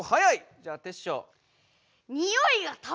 じゃあテッショウ。